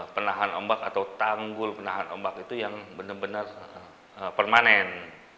penahan ombak atau tanggul penahan ombak itu yang benar benar permanen